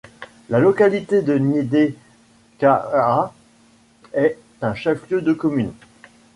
La localité de Niédiékaha est un chef-lieu de commune.